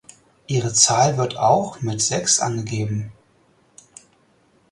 Ihre Zahl wird auch mit sechs angegeben.